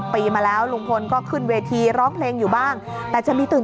ปีมาแล้วลุงพลก็ขึ้นเวทีร้องเพลงอยู่บ้างแต่จะมีตื่น